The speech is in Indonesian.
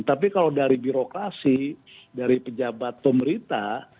tapi kalau dari birokrasi dari pejabat pemerintah